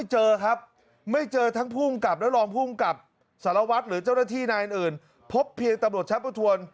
หรือเจ้าหน้าที่นายอื่นพบเพียงตำรวจชาติประถวน